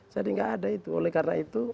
jadi gak ada itu oleh karena itu